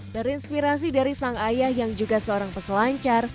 terinspirasi dari sang ayah yang juga seorang peselancar